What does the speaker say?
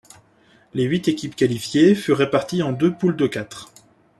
Les huit équipes qualifiées furent réparties en deux poules de quatre.